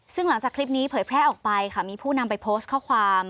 ซึ่งหลังจากคลิปนี้เผยแพร่ออกไปค่ะมีผู้นำไปโพสต์ข้อความ